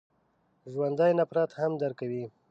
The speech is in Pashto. ژوندي نفرت هم درک کوي